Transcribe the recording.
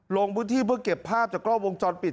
ลงพื้นที่เพื่อเก็บภาพจากกล้อวงจรปิด